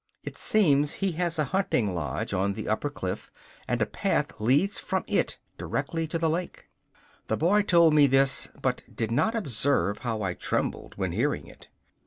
It seems he has a hunting lodge on the upper cliff, and a path leads from it directly to the lake. The boy told me this, but did not observe how I trembled when hearing it.